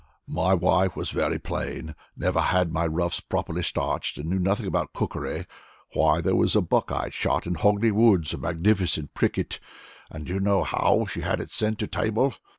My wife was very plain, never had my ruffs properly starched, and knew nothing about cookery. Why, there was a buck I had shot in Hogley Woods, a magnificent pricket, and do you know how she had it sent to table?